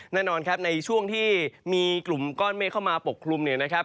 แน่นอนครับในช่วงที่มีกลุ่มก้อนเมฆเข้ามาปกคลุมเนี่ยนะครับ